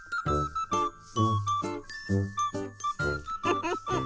フフフフ。